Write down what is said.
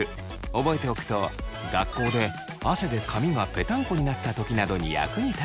覚えておくと学校で汗で髪がぺたんこになった時などに役に立つそう。